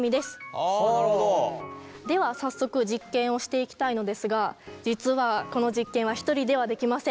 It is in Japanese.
では早速実験をしていきたいのですが実はこの実験は１人ではできません。